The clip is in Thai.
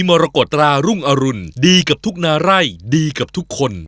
มรกฎรารุ่งอรุณดีกับทุกนาไร่ดีกับทุกคน